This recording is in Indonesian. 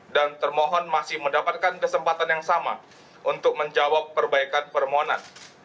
dan termohon masih mendapatkan kesempatan yang sama untuk menjawab perbaikan permohonan